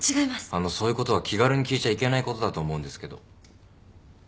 あのそういうことは気軽に聞いちゃいけないことだと思うんですけど。